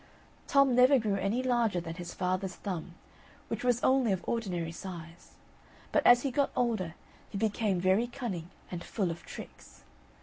Tom never grew any larger than his father's thumb, which was only of ordinary size; but as he got older he became very cunning and full of tricks.